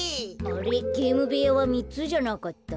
あれっゲームべやはみっつじゃなかった？